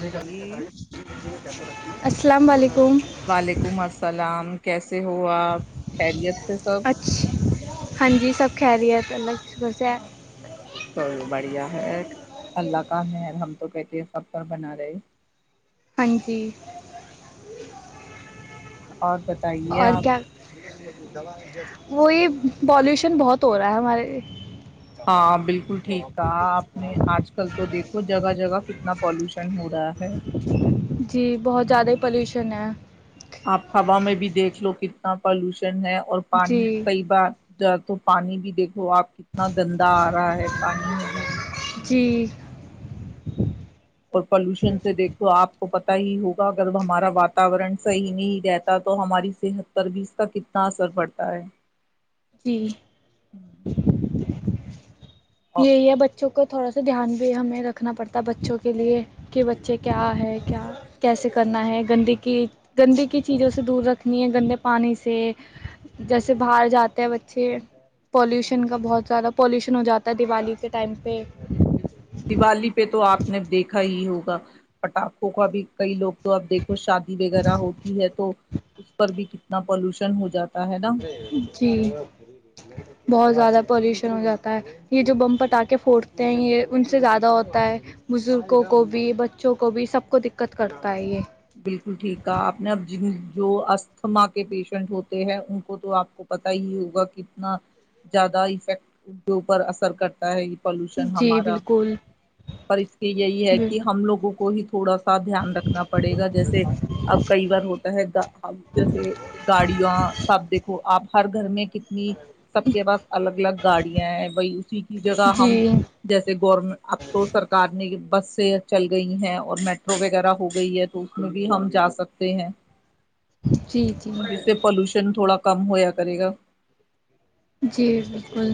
ج جی السلام علیکم وعلیکم السلام کیس سے ہو آپ خیریت سے سب ہان جی سب ک رہیے الگ شکر سے چلو بڑھیا ہے اللہ کا م ہم تو کہتے ہیں سب پر بنا رہے ہاں جی اور بتائیے آپ وہی پالوشن بہت ہو رہا ہے ہمارے ہاں بالکل ٹھیک تھا آپ نے آج کل تو دیکھو جگہ جگہ کتنی اتنا پالوشن ہو رہا ہے ا [inaudible] جی بہت زیادہ ہی پلیوشن ہے آپ ہوا میں بھی دیکھ لو کتنا پالوشن ہے اور جی پانی کئی بار تو پانی بھی دیکھ تو آپ کتنا گندا آ رہا ہے پانی میں بھی جی اور پالوشن سے دیکھو آپ پتا ہی ہوگ اگر ہمارا وات واتاورن سہ نہیں دیتا تو ہماری صحت پر بھی اس کا کتنا اثر پڑتا ہے جی [inaudible] اور یہی ہے بچوں کو کو تھوڑا سا دھیان بھی ہمیں رکھنا پڑتا بچوں کے لیے کہ بچے کیا ہے کیا کیسے کرنا ہے گندی کی گندی کی چیزوں سے دور رکھنی ہے گندے پانی سے جیسے باہر جات تے بچے پالیوشن کا بہت زیادہ پالیوشن ہو جاتا ہے دیوالی کے ٹائم پہ دیوالی پہ تو آپ نے دیکھا ہی ہوگا پٹاخوں کو ابھی کئی لوگ تو اب دیکھ شادی وغیرہ ہوتی ہے تو اس پر بھی ک نہ پالوشن ہو جاتا ہے نا جی بہت زیادہ پالیوشن ہو جاتا ہے یہ جو بم پٹا کے پھوڑتے ہیں یہ ان سے زیادہ ہوتا ہے بزرگوں کو بھی بچوں کو بھی سب کو دقت کرتا ہے یہ بالکل ٹھیک آ آپ نے اب جی [unintelligible] جو اسھما کے پیشنٹ ہوتے ہیں ان کو تو آپ کو پتا ہی ہوگا کتنا زیادہ افیکٹ ان کے اوپر اثر کرتا ہے [inaudible] پالوشن جی ہمارا بالکل پر اس کی یہی ہے کہ ہم لوگوں کو [inaudible] کوئی تھوڑا [inaudible] دھیان رکھنا [inaudible] پڑے گا جیسے اب کئی بار ہوتا ہے جیسے گاڑیاں سب دیکھو آپ [inaudible] ہر گھر میں کتنی [inaudible] سب کے پاس الگ الگ گاڑیاں ہیں وہی اسی کی جگہ ہم جی جیسے گورم اب تو سرکار نے [unintelligible] بس سے چل گئی ہیں اور میٹرو وغیرہ ہو گئی ہے [unintelligible] تو اس میں بھی ہم جا سکتے ہیں جی جی [inaudible] جس سے پولوشن تھوڑا [unintelligible] کم ہویا کرے گا [inaudible] جی بالکل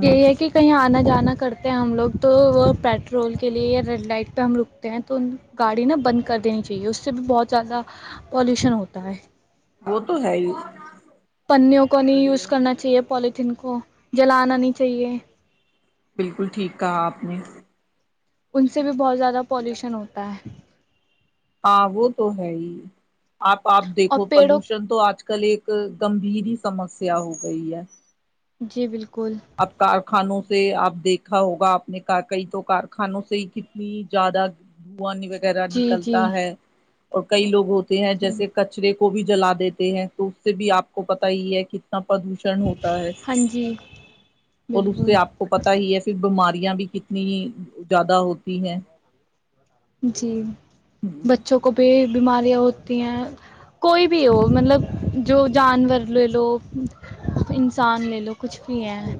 ہ یہی ہے کہ کہیں آنا جانا کرتا ہم لوگ تو وہ پیٹرول کے لیے ریڈ لائٹ پہ ہم رکتے ہیں تو گاڑی نا بند کر دینی چاہیے اس سے بھی بہت زیادہ پالوشن ہوتا ہے وہ تو ہے ہی پوں کو نہیں یوز کرنا چاہیے پالتھین کو جلانا نہیں چاہیے بالکل ٹھیک کہا آپ نے ان سے بھی بہت زیادہ پالیوشن ہوتا ہے ہاں وہ تو ہے ہی آپ آپ اور دیکھو پیڑوں پلوشن تو آج کل کل ایک گمبھیر ہی سمسیا ہو گئی ہے جی بالکل ابطار خانوں سے آپ دیکھا ہوگا آپ نے کئی تو کارخانوں سے ہی کتنی زیادہ د انی وغیرہ جی جی نکلتا ہے اور کئی لوگ ہوتے ہیں جی جیسے کچرے کو کو بھی جلا دیتے ہیں تو اس سے بھی آپ کو پتا ہی ہے کہ اتنا پردوشن ہوتا ہے ہاں جی اور اس بالکل سے آپ کو پتا ہی ہے پھر بیماریاں بھی کتنی زیادہ ہوتی ہیں جی بچوں کو بھی بیماریاں ہوتی ہیں کوئی بھی ہو مطلب جو جانور لے لو انسان لے لو کچھ بھی ہیں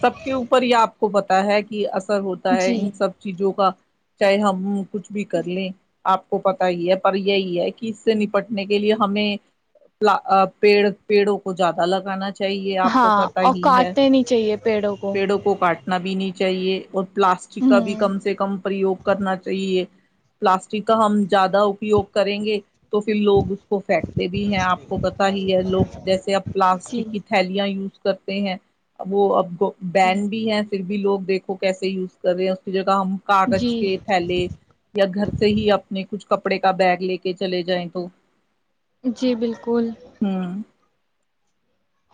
سب کے اوپر یہ آپ کو پتا ہے کہ ثر ہوتا ہے جی ان سب چیزوں کا چاہے ہم کچھ بھی کر لیں آپ کو پتا ہی ہے پر یہی ہے کہ اس سے نپٹنے کے لیے ہمیں پیڑ پیڑوں کو زیادہ لگانا چاہیے آپ کو ہاں پتا اور ہی ہے کاٹنے نہیں چاہیے پ پیڑوں کو کاٹ نا بھیین چاہیے اور پلاسٹک کا بھی ہوں کم سے کم پریوگ کرنا چاہیے پلاسٹک کا ہم زیادہ اپیوگ کریں گے تو پھر لوگ اس کو پھینکتے بھی ہیں آپ کو پتا ہی ہے لوگ جیسے اب جی پلاسٹک کی تھیلیاں یوز کرتے ہیں ا وہ اب جی بین بھی ہے پرف بھی لو دیکھو کیسے یوز کرے ہیں اس کی جگ ہم کاغذ جی کے تھیلے یا گھر سے ہی اپنے کچھ کپڑے کا بیگ لے کے چلے جائیں تو جی بالکل ہ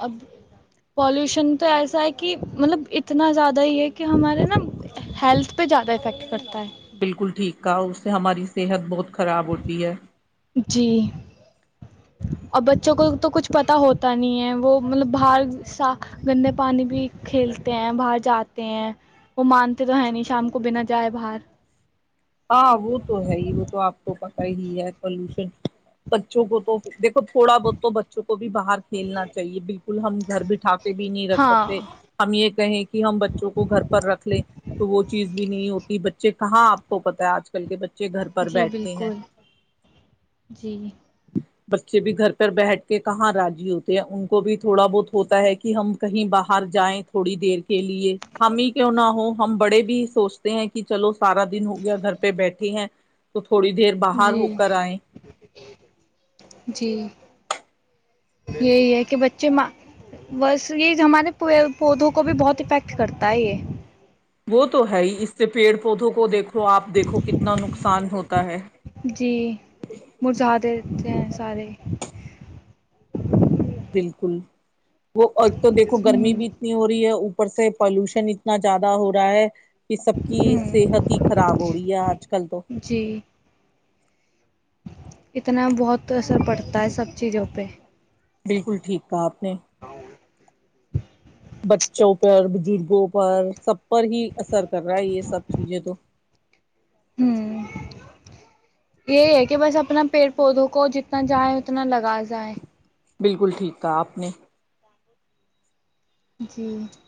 اب پالوشن تو ایسا ہے کہ مطلب اتنا زیادہ ہی ہے کہ ہمارے نا ہیلتھ پہ زیادہ افیکٹ کرتا ہے بالکل ٹھیک کا اس سے ہماری صحت بہت خراب ہوتی ہے جی اور بچوں کو تو کچھ پتا ہوتا نہیں ہے وہ مطلب باہرا گندے پانی بھی کھیلتے ہیں باہر جاتے ہیں وہ مانتے تو ہے نہیں شام کو بنا جائے باہر ہاں وہ تو ہے ہی وہ تو آپ کو پ ہی ہے پالوشن بچوں کو تو دیک تھوڑا بہت تو بچوں کو بھی باہر کھیلنا چاہیے ہم گھر بٹھ بھی نہیں رکھ ہاں سکتے ہم یہ کہیں کہ ہم بچوں کو گھر پر رکھ لیں تو وہ چیز بھی نہیں ہوتی ب ج کہا آ کو پتتا ہے آج کل کے بچے بچے گھر پر جی بیٹھتے ہیں بالکل جی بچے بھی گھر پر بیٹھ کے کہاں راضی ہوتے ہیں ان کو بھی تھوڑا بہت ہوتا ہے کہ ہم کہیں باہر جائیں تھوڑی دیر کے لیے ہم ہی کیوں نہ ہو ہم بڑے بھی سوچتے ہیں کہ چلو سارا دن ہو گیا گھر پہ بیٹھے ہیں تو تھ تھوڑی دیر باہر ہو جی کر آئے جی یہی ہے کہ بچے بس یہ ہمارے پودوں کو بھی بہت افیکٹ کرتا ہے یہ وہ تو ہے ہی اس سے پیڑ پودوں کو دیکھو تو آپ دیکھو کتنا نقصان نقصان ہوتا ہے جی مزدہتے ہیں سارے بالکل وہ ایک تو دیکھو گرمی ہوں بھی اتنی ہو رہی ہے ر سے پالوشن اتنا زیادہ ہو رہا ہے یہ سب کی ہوں صحت ہی خراب ہو رہی ہے اج کل تو جی اتنا بہت اثر پڑتا ہے سب چیزوں پہ بالکل ٹھیک کہا آپ نے بچوں پر بزرگوں پر سب پر ہی اثر کر رہا ہے یہ سب چیزیں تو ہوں یہی ہے کہ بس اپنا پیڑ پودوں کو جتنا جاہیں اتنا لگا جائے بالکل ٹھیک تھا آپ نے جی [inaudible]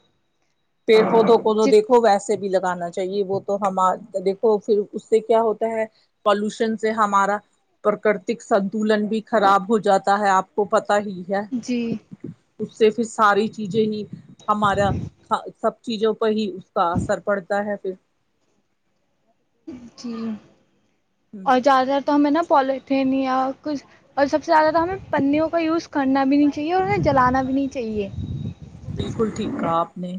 پ کو دو کووں دیکھو ویسے بھی لگانا چاہیے وہ تو ہم دیکھو پھر اس سے کیا ہوتا ہے پالوشن سے ہمارا پراکرتک سنتولن بھی خراب ہو جاتا ہے آپ کو پ پ ہی جی اس سے پھر ساری چیزیں ہی ہمارا سب چیزوں پہ ہی اس کا اثر پڑتا ہے پھر جھی اور زدہر تو ہمیں نا پولیتھین یا کچھ اور سب سے زیادہ تو ہمیں پنیوں کا یوز کرنا بھی نہیں چاہیے اور انہیں جلانا بھی نہیں چاہیے بالکل ٹھیک کہا آپ نے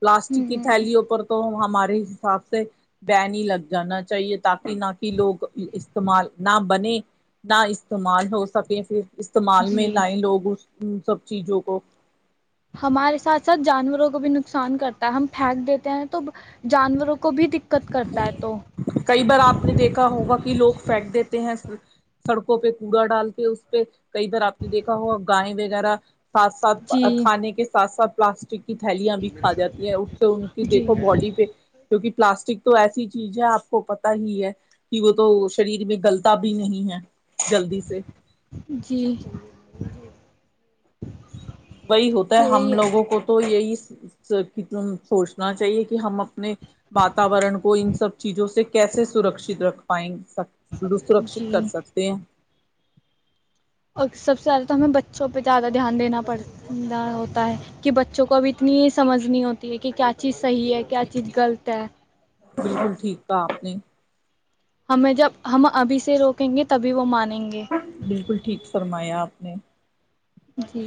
پلاسٹک کی ہوں تھیلیوں پر تو وہاں ہمارے حساب سے ب نہیں لگ جانا چاہیے تاکہ نہ کہ لوگ استعمال نہ بنے نہ استعمال ہو سکے پھر استعمال میں جی لائے لوگ اس ان سب چیزوں کو ہمارے ساتھ ساتھ جانوروں کو بھی نقصان کرتا ہے ہم پھینک دیتے ہیں تو جانوروں کو بھی دقت کرتا ہے تو کئی بار آپ نے دیکھا ہوگا کہ لوگ پھینٹ دیتے ہیں سڑکوں پہ کوڑا ڈال کے اس پہ کئی بار آپ نے دیکھا ہوا گائےیں وغیرہ ساتھ جی ساتھ کھانے کے ساتھ ساتھ پلاسٹک تھیلیاں بھی کھا جاتی ہیں اس سے ان کی جی دیکھو باڈی پہ توک [inaudible] پلاسٹک تو ایسی چیز ہے آپ کو پتا ہی ہے کہ وہ تو شریر میں گلتا بھی نہیں ہے جلدی سے جی [inaudible] وہی ہوتا ہے ہم لوگوں کو تو یہی ت سوچنا چاہیے کہ ہم اپ اپنے واتورن کو ان سب چیزوں سے کیسے سرکشت رکھ پائن سک سرکشت کر جی سکتے ہیں اور سب سے زیادہ تو ہمیں بچوں پہ زیادہ دھیان دینا پڑ ہوتا ہے کہ بچوں کو اب اتنی سمجھ نہیں ہوتی ہے کہ کیا چیز صحیح ہے کیا چیز غلط ہے بالکل ٹھیک پاپ نے ہمیں جب ہم ابھی سے روکیں گے تبھی وہ مان بالکل ٹھیک فرمایا آپ نے جی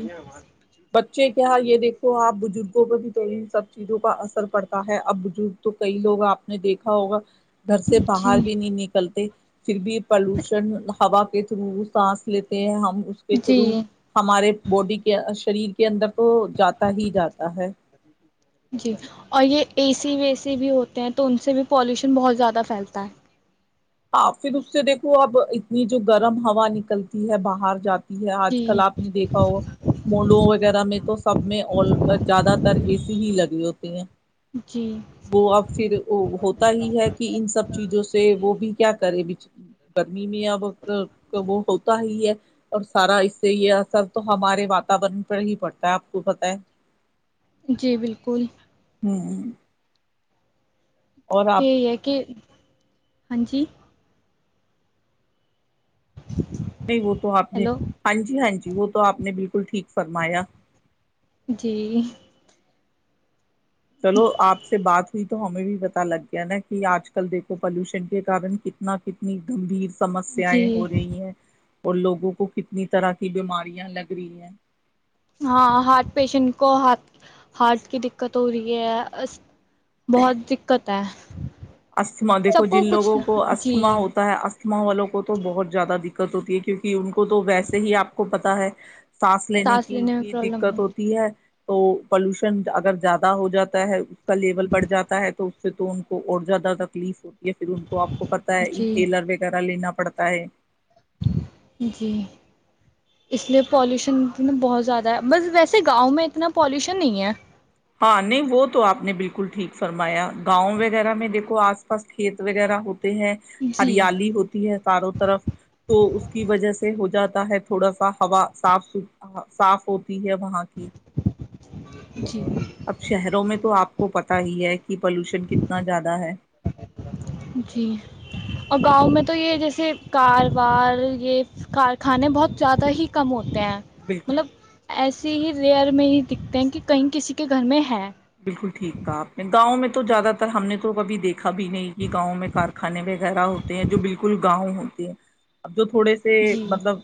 بچے کی کیا ہاں یہ دیکھو آپ بزرگوں پرہ بھی تو سب چیزوں کا اثر پڑتا ہے اب بزرگ تو کئی لوگ آپ نے دیکھا ہوگا گھر سے جی باہر بھی نہیں نکلتے پھر بھی پالوشن ہوا کے تھرو سانس لیتے ہیں ہم تھرو جی ہمارے بڈی کے شریر کے اندر وہ جاتا ہی جاتا ہے جی اور یہ اے سی وی سی بھی ہوتے ہیں تو ان سے بھی پالوشن بہت زیادہ پھیلتا ہے ہاں پھر اس سے دیکھو اب اتنی جو گرم ہوا نکلتی ہے باہر جات آج جی کل آپ نے دیکھا ہو مڈو وغیرہ میں تو سب میں زیادہ تر اے سی ہی لگی ہوتی ہیں جی وہ اب پھر ہوتا ہی ہے کہ ان سب چیزوں سے وہ بھی کیا کرے گرمی میں اب وہ ہوتا ہی ہے اور سارا اس سے یہ اثر تو ہمارے واتورن پر ہی پڑتا ہے ک فت ہے جی بالکل ہوں یہ ہے کہ ہاں جی نہیں وہ تو آپ نے ہیلو ہاں جی ہاں جی وہ تو آپ نے بالکل الکل ٹھیک فرمایا جی چلو آپ سے بات تو ہمیں بھی پتا لگ گیا نا کہ آج کل دیکھو پالوشن کے کن کتنا کتنی گمبھیر سمسیائیں جی ہو رہی ہیں اور لوگوں کو کتنی طرح کی بیماریاں لگ رہی ہیں ہاں ہارٹ پیشنٹ کو ہ ہارٹ کی دقت ہو رہی ہے بہت دقت کتا استھما دیکھو جن لوگوں کو جی استھما ہوتا ہے استھما والوں کو تو بہت زیادہ دکھ دقت ہوتی ہے کیونکہ ان کو تو ویسے ہی آ کو پتتا ہے سانس لینے کی میں بھی پرابلم ہو دقت رہی ہوتی ہے تو پولوشن اگر زیادہ ہو جاتا ہے اس کا لیول بڑھ جاتا ہے تو اس سے تو ان کو اور زیادہ تکلیف ہو یا پھر ان کو آپ کو پت ہے انہیلر وغیرہ لینا پڑتا ہے جی اس لیے پالوشن بہت زیادہ ہے بس ویسے گاؤں میں اتنا پالوشن نہیں ہے ہاں نہیں وہ تو آپ نے بالکل ٹھیک فرمایا گاؤں وغیرہ میں دیکھو آس پاس کھیت وغیرہ ہو ہیں جی ہریالی ہوتی ہے چاروں طرف تو اس کی وجہ سے ہو جاتا ہے تھوڑا سا ہوا صاف صاف ہوتی ہے وہاں کی جی اب شہروں میں تو آپ کو پتہ ہی ہے کہ پولوشن کتنا زیادہ ہے جی اور گاؤں میں تو تو یہ جیسے کاروبار یہ کارخانے بہت زیادہ ہی کم ہو ہیں بالکل مطلب ایسے اس ہی ریئر میں ہی دکھتے ہیں کہ کہیں کسی کے گھر میں ہے بالکل ٹھیک تھا آپ نے گاؤں میں تو زیادہ تر ہم نے تو کبھی دیکھا کبھی نہیں کہ گاؤں میں کارخانے میں وغیرہ ہوتے ہیں جو بالکل گاؤں ہوتے ہیں ا جو تھوڑے سے جی مطلب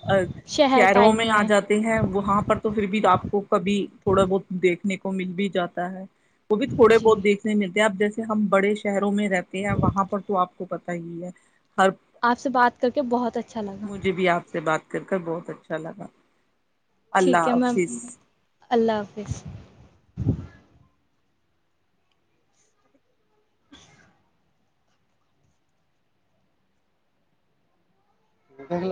شہر شہروں ٹائپ میں آ جاتے ہیں وہاں پر تو پھر بھی آپ کو کبھی تھوڑا بہت دیکھنے مل بھی جاتا تا ہے وہ بھی تھوڑے جی بہت دھنے ملتے ہیں اب جیے ہم بڑے شہروں میں رہتے ہیں وہاں پر تو آپ کو پتا ہی ہے ہر آپ سے بات کر کے بہت اچھا لگا کرکٹ بہت اچھا لگ ٹھیک ہے میں اللہ حافظ دیکھ ل